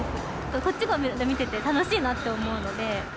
こっちが見てて楽しいなって思うので。